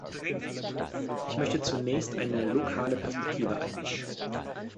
Ich möchte zunächst eine lokale Perspektive einnehmen.